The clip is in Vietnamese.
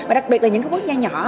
và đặc biệt là những quốc gia nhỏ